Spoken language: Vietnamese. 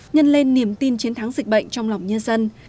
nhân lên niềm tin chiến thắng dịch bệnh trong lòng nhân dân